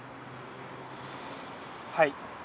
はい。